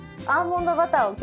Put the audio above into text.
アーモンドバター。